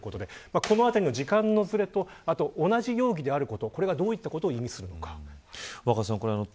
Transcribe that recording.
このあたりの時間のずれと同じ容疑であることがどういったことを意味するのでしょうか。